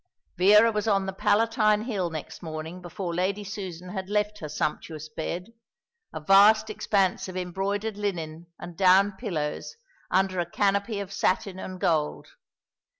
Vera was on the Palatine Hill next morning before Lady Susan had left her sumptuous bed, a vast expanse of embroidered linen and down pillows, under a canopy of satin and gold.